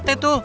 pak rt tuh